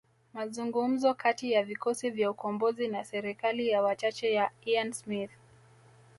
Mazungumzo kati ya vikosi vya ukombozi na serikali ya wachache ya Ian Smith